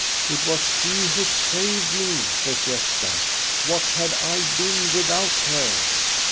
" "It was she who saved me," says Gosta. "What had I been without her